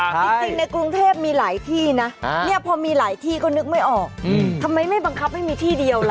จริงในกรุงเทพมีหลายที่นะพอมีหลายที่ก็นึกไม่ออกทำไมไม่บังคับให้มีที่เดียวล่ะ